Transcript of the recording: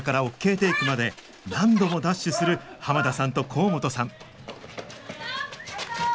テークまで何度もダッシュする濱田さんと甲本さん